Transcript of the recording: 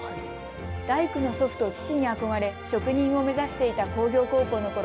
大工の祖父と父に憧れ職人を目指していた工業高校のころ